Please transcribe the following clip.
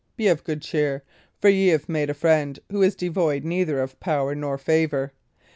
Be of a good cheer; for ye have made a friend who is devoid neither of power nor favour.